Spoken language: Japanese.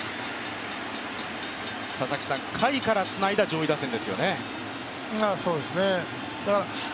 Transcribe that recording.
下位からつないだ上位打線ですよね。